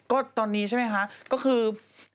ก็ตอนนี้ใช่ไหมคะก็คือ